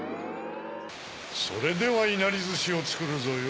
それではいなりずしをつくるぞよ。